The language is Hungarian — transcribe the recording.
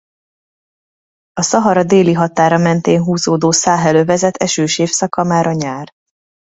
A Szahara déli határa mentén húzódó Száhel-övezet esős évszaka már a nyár.